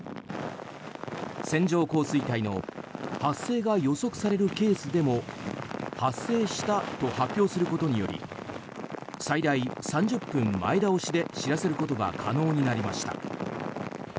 線状降水帯の発生が予測されるケースでも発生したと発表することにより最大３０分前倒しで知らせることが可能になりました。